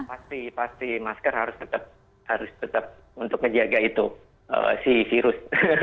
pasti pasti masker harus tetap harus tetap untuk menjaga itu si virus